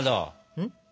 うん？